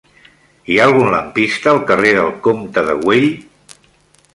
Hi ha algun lampista al carrer del Comte de Güell?